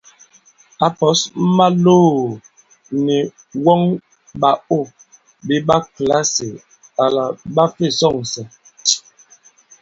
Ǎ pɔ̌s Maloò nì wɔn ɓàô ɓe ɓa kìlasì àla ɓa fe sɔ̂ŋsɛ.